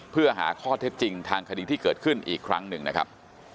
เพื่อหาข้อเท็จจริงทางคดีที่เกิดขึ้นอีกครั้งหนึ่งนะครับ